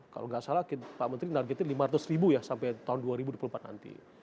kalau nggak salah pak menteri nargetin lima ratus ribu ya sampai tahun dua ribu dua puluh empat nanti